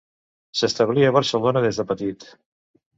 S'establí a Barcelona des de petit.